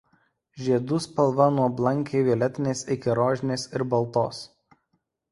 Žiedų spalva nuo blankiai violetinės iki rožinės ir baltos.